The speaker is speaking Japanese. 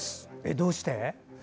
どうして？